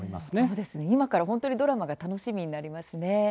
今から本当にドラマが楽しみになりますね。